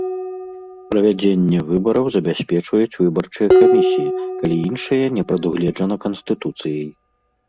Правядзенне выбараў забяспечваюць выбарчыя камісіі, калі іншае не прадугледжана Канстытуцыяй.